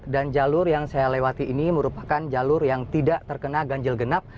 dan jalur yang saya lewati ini merupakan jalur yang tidak terkena ganjil genap